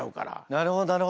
なるほどなるほど。